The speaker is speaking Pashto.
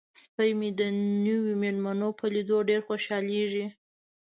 سپی مې د نویو میلمنو په لیدو ډیر خوشحالیږي.